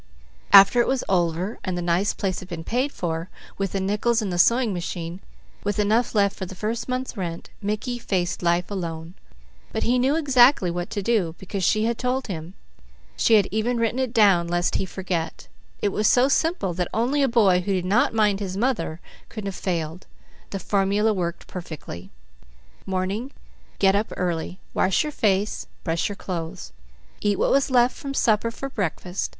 After it was over and the nice place had been paid for, with the nickels and the sewing machine, with enough left for the first month's rent, Mickey faced life alone. But he knew exactly what to do, because she had told him. She had even written it down lest he forget. It was so simple that only a boy who did not mind his mother could have failed. The formula worked perfectly. _Morning: Get up early. Wash your face, brush your clothes. Eat what was left from supper for breakfast.